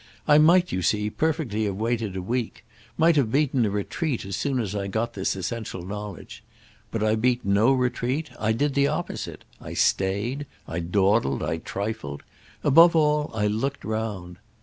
I might, you see, perfectly have waited a week; might have beaten a retreat as soon as I got this essential knowledge. But I beat no retreat; I did the opposite; I stayed, I dawdled, I trifled; above all I looked round.